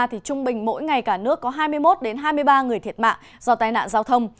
trung bình mỗi ngày cả nước có hai mươi một hai mươi ba người thiệt mạng do tai nạn giao thông